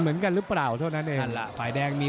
หรือว่าผู้สุดท้ายมีสิงคลอยวิทยาหมูสะพานใหม่